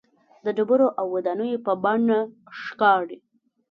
د ډبرو او ودانیو په بڼه ښکاري.